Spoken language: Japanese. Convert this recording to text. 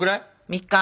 ３日。